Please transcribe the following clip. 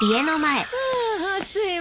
あ暑いわ。